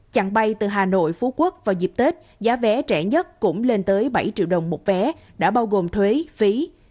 chặng bay từ hà nội phú quốc vào dịp tết giá vé trẻ nhất cũng lên tới bảy triệu đồng một vé đã bao gồm thuế phí